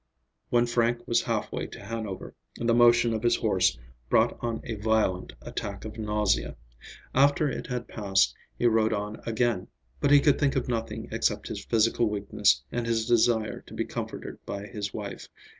When Frank was halfway to Hanover, the motion of his horse brought on a violent attack of nausea. After it had passed, he rode on again, but he could think of nothing except his physical weakness and his desire to be comforted by his wife.